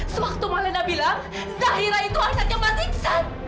semaktu malina bilang zahira itu anaknya mas iksan